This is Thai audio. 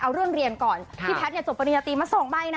เอาเรื่องเรียนก่อนพี่แพทย์เนี่ยจบปริญญาตรีมา๒ใบนะ